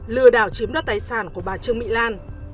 lừa đảo chiếm đất tài sản của bà trương my lan